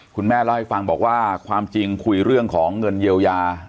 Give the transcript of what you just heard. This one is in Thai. คุณแม่เล่าให้ฟังบอกว่าความจริงคุยเรื่องของเงินเยียวยา